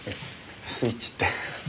スイッチって？